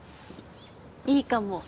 いいかも。